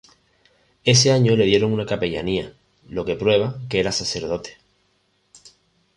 Ese año le dieron una capellanía, lo que prueba que era sacerdote.